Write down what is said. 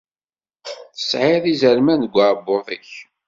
Tesεiḍ izerman deg uεebbuḍ-ik.